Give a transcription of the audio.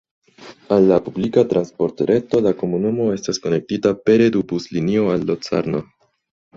Al la publika transportreto la komunumo estas konektita pere du buslinio al Locarno.